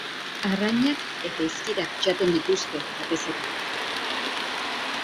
Arrainak eta izkirak jaten dituzte batez ere.